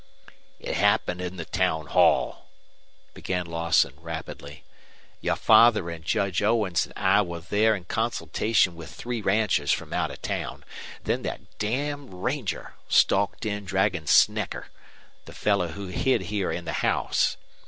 "It happened at the town hall," began Lawson, rapidly. "Your father and Judge Owens and I were there in consultation with three ranchers from out of town. Then that damned ranger stalked in dragging Snecker, the fellow who hid here in the house.